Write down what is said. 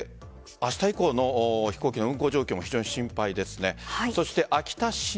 明日以降の飛行機の運航状況も非常に心配ですね。